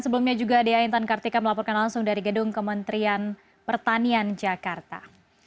sebelumnya juga dea intan kartika melaporkan langsung dari gedung kementerian pertanian jakarta